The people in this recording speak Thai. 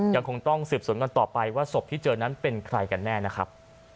ยังคงต้องสืบสวนกันต่อไปว่าศพที่เจอนั้นเป็นใครกันแน่นะครับ